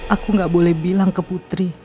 aku gak boleh bilang ke putri